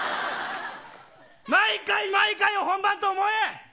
毎回、毎回本番だと思え。